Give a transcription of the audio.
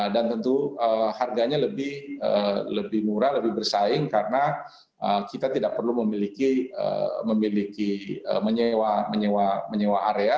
dan tentu harganya lebih murah lebih bersaing karena kita tidak perlu memiliki menyewa area